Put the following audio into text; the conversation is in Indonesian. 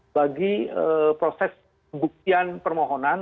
bagi proses buktian permohonan